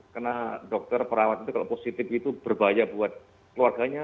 karena dokter perawat itu kalau positif itu berbahaya buat keluarganya